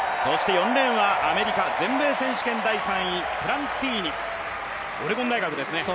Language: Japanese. ４レーンはアメリカ全米選手権第３位プランティニオレゴン大学ですね。